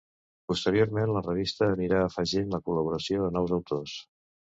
Posteriorment, la revista anirà afegint la col·laboració de nous autors.